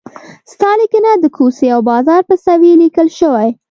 ستا لیکنه د کوڅې او بازار په سویې لیکل شوې.